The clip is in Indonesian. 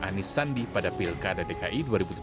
anies sandi pada pilkada dki dua ribu tujuh belas